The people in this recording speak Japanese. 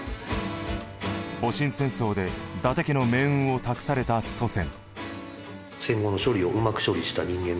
戊辰戦争で伊達家の命運を託された祖先。